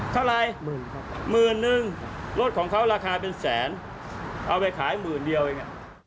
เท่าไรหมื่นครับหมื่นนึงรถของเขาราคาเป็นแสนเอาไปขายหมื่นเดียวเอง